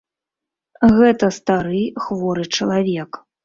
Гэта стары хворы чалавек.